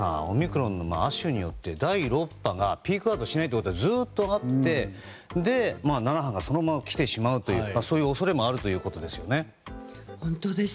オミクロンの亜種によって第６波がピークアウトしないってことはずっとあって、７波がそのまま来てしまうという恐れもあるということですね。